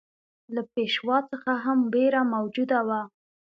له پېشوا څخه هم وېره موجوده وه.